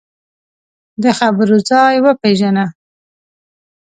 د خبرو ځای وپېژنه